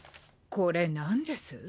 これ何です？